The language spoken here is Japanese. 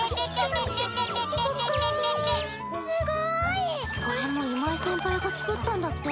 すごい！これも今井先輩が作ったんだって。